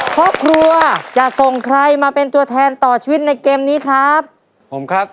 ครอบครัวจะส่งใครมาเป็นตัวแทนต่อชีวิตในเกมนี้ครับผมครับ